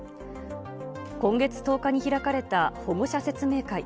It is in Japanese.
今月１０日に開かれた保護者説明会。